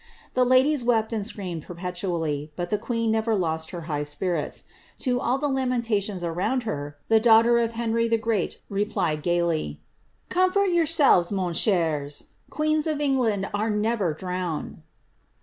The ladies wepi . and screamed perpetually, but the queen never lost her high spirits. To all the lamentations around her, tlie daughter of Henry the Great replied gaily —^ Comfort yourselves, mes cheres^ queens of Euffland are never drowned.